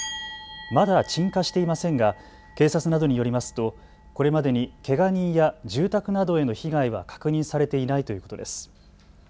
まだ鎮火していませんが警察などによりますとこれまでにけが人や住宅などへの被害は確認されていないということです。